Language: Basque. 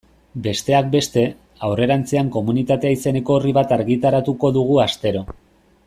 Besteak beste, aurrerantzean Komunitatea izeneko orri bat argitaratuko dugu astero.